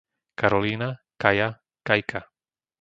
Karolína, Kaja, Kajka